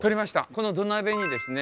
この土鍋にですね